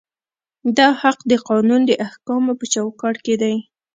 دا حق د قانون د احکامو په چوکاټ کې دی.